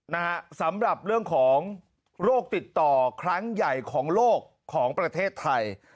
นะฮะสำหรับเรื่องของโรคติดต่อครั้งใหญ่ของโลกของประเทศไทย